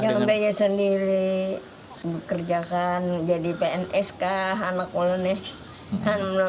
dengan biaya sendiri bekerjakan jadi pns kah anak kulunnya